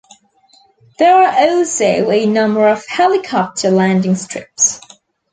There are also a number of helicopter landing strips.